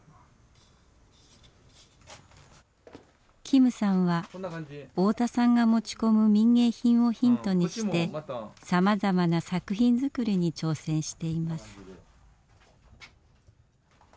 金さんは太田さんが持ち込む民藝品をヒントにしてさまざまな作品づくりに挑戦しています。